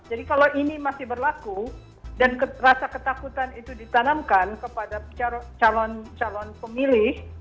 jadi kalau ini masih berlaku dan rasa ketakutan itu ditanamkan kepada calon calon pemilih